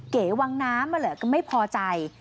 เก๋วังน้ำก็ไม่พอใจ